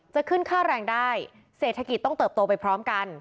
จะขึ้นค่าแรงได้เศรษฐกิจต้องเติบโตไปพร้อมกัน